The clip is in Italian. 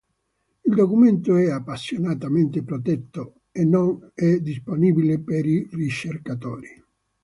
Il documento è appositamente protetto e non è disponibile per i ricercatori.